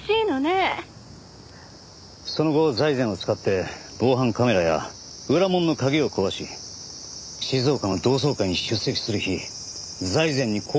その後財前を使って防犯カメラや裏門の鍵を壊し静岡の同窓会に出席する日財前に行動を起こさせました。